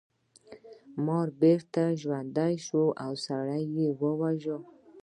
مار بیرته ژوندی شو او سړی یې وواژه.